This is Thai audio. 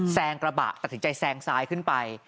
แซงกระบะตัดสินใจแซงซ้ายขึ้นไป